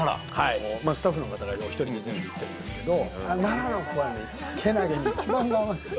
スタッフの方がお一人で全部行ってるんですけど奈良のコはけなげに一番頑張って。